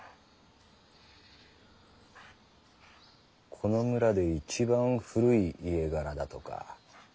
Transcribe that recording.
この村で一番古い家柄だとか。